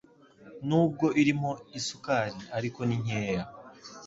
Nubwo irimo isukari ariko ni nkeya